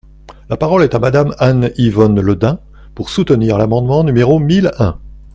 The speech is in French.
La parole est à Madame Anne-Yvonne Le Dain, pour soutenir l’amendement numéro mille un.